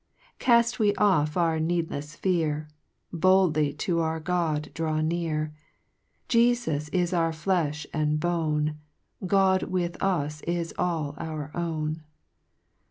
3 Caft we off our necdlefs fear, Boldly to our God draw near, Jesus is our fleili and bone, God with us is all our own.